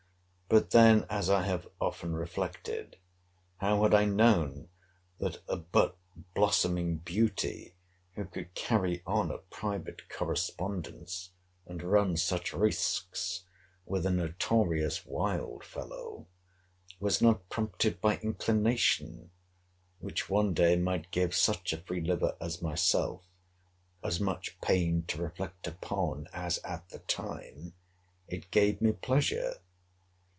But then, as I have often reflected, how had I known, that a but blossoming beauty, who could carry on a private correspondence, and run such risques with a notorious wild fellow, was not prompted by inclination, which one day might give such a free liver as myself as much pain to reflect upon, as, at the time it gave me pleasure?